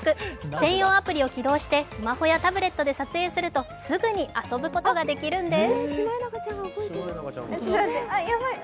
専用アプリを起動してスマホやタブレットで撮影するとすぐに遊ぶことができるんです。